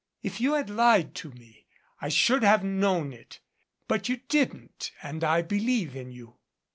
"If you had lied to me I should have known it. But you didn't and I believe in you."